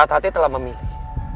saat hati telah memilih